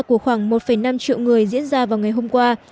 của khoảng một năm triệu người diễn ra vào ngày hôm qua